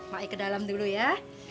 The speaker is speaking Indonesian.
naik ke dalam dulu ya